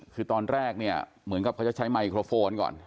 คือตอนแรกเนี่ยเหมือนกับเขาจะใช้ไมโครโฟนก่อน